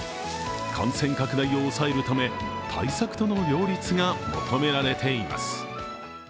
感染拡大を抑えるため対策との両立が求められています。